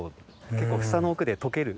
結構舌の奥で溶ける。